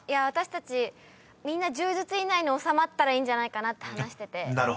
私たちみんな１０ずつ以内に収まったらいいんじゃないかなって話してて。